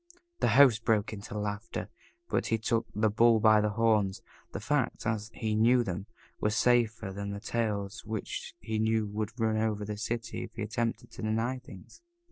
The host broke into laughter, but he took the bull by the horns the facts, as he knew them, were safer than the tales which he knew would run over the city if he attempted to deny things.